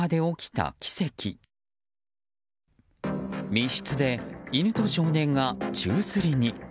密室で犬と少年が宙づりに。